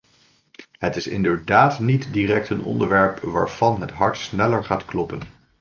Het is inderdaad niet direct een onderwerp waarvan het hart sneller gaat kloppen.